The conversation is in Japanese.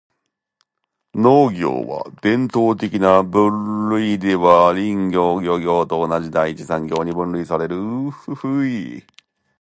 農業は、伝統的な分類では林業・漁業と同じ第一次産業に分類される。